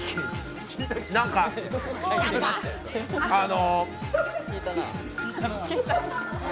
何か、あの。